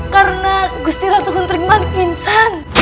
karena gusti ratu kentering mani pingsan